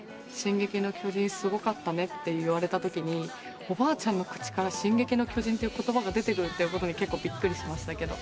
「『進撃の巨人』すごかったね」って言われたときにおばあちゃんの口から『進撃の巨人』って言葉が出てくるってことに結構びっくりしました。